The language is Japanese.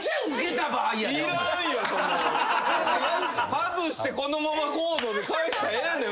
外してこのまま返したらええねん。